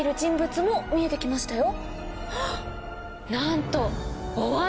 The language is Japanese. なんと。